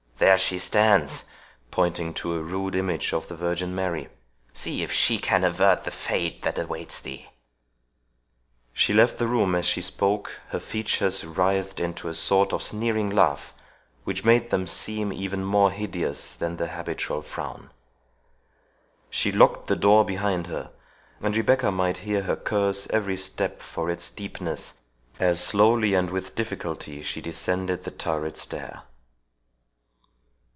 "There she stands," pointing to a rude image of the Virgin Mary, "see if she can avert the fate that awaits thee." She left the room as she spoke, her features writhed into a sort of sneering laugh, which made them seem even more hideous than their habitual frown. She locked the door behind her, and Rebecca might hear her curse every step for its steepness, as slowly and with difficulty she descended the turret stair.